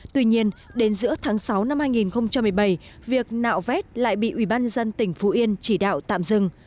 tuy nhiên đến giữa tháng sáu năm hai nghìn một mươi bảy việc nạo vét lại bị ủy ban nhân dân tỉnh phú yên chỉ đạo tạm dừng